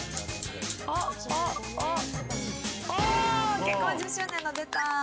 結婚１０周年の、出た！